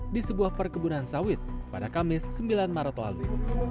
di sebuah perkebunan sawit pada kamis sembilan maret lalu